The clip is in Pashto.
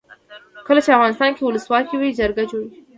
کله چې افغانستان کې ولسواکي وي جرګې جوړیږي.